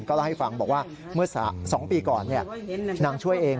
เล่าให้ฟังบอกว่าเมื่อ๒ปีก่อนนางช่วยเอง